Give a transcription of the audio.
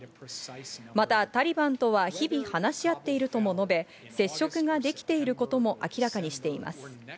またタリバンとは日々話し合っているとも述べ、接触ができていることも明らかにしています。